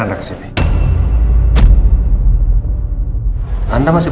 maaf warably di pasang nih